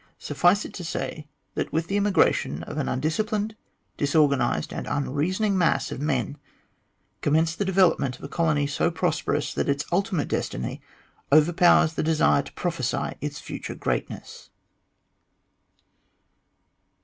Suffice it to say, that with the immigration of an undisciplined, disorganised, and unreasoning mass of men commenced the development of a colony so prosperous that its ultimate destiny overpowers the desire to prophesy its future greatness."